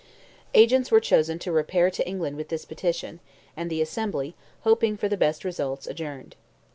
Agents were chosen to repair to England with this petition, and the Assembly, hoping for the best results, adjourned.